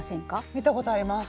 見たことあります。